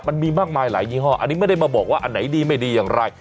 มันมีมากมายหลายยี่ห้ออันนี้ไม่ได้มาบอกว่าอันไหนดีไม่ดีอย่างไร